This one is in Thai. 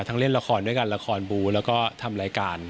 เล่นละครด้วยกันละครบูแล้วก็ทำรายการ